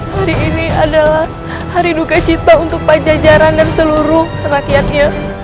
hari ini adalah hari duka cita untuk pajajaran dan seluruh rakyatnya